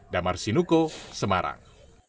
damar sinuko semarang